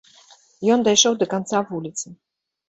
Ён дайшоў да канца вуліцы.